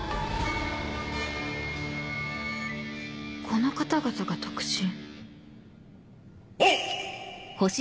この方々が特進？